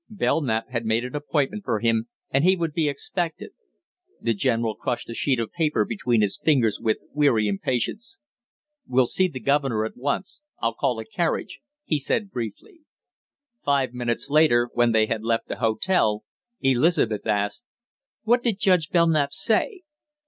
Belknap had made an appointment for him, and he would be expected. The general crushed the sheet of paper between his fingers with weary impatience. "We'll see the governor at once. I'll call a carriage," he said briefly. Five minutes later, when they had left the hotel, Elizabeth asked: "What did Judge Belknap say?"